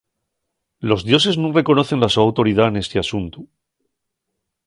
Los dioses nun reconocen la so autoridá nesti asuntu.